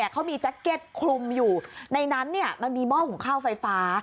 เขามีแจ็คเก็ตคลุมอยู่ในนั้นมันมีหม้อหุงข้าวไฟฟ้า